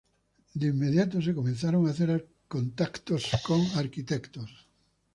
De inmediato se comenzaron a hacer contactos con arquitectos.